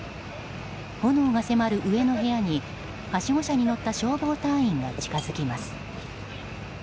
炎が迫る上の部屋にはしご車に乗った消防隊員が近づきます。